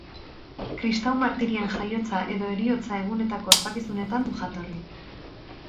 Kristau martirien jaiotza edo heriotza-egunetako ospakizunetan du jatorri.